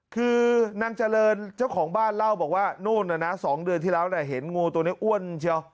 คือนางเจริญเจ้าของบ้านเล่าบอกว่านู่นน่ะนะ๒เดือนที่แล้วเห็นงูตัวนี้อ้วนเชียว